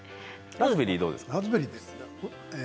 ラズベリーはどうですか？